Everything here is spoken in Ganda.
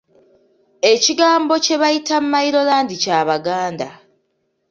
Ekigambo kye bayita Mailo land kya Baganda.